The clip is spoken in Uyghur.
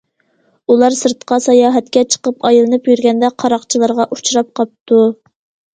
ئۇلار سىرتقا ساياھەتكە چىقىپ ئايلىنىپ يۈرگەندە قاراقچىلارغا ئۇچراپ قاپتۇ.